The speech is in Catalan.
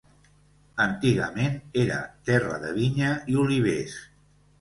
Antigament era terra de vinya i olivers.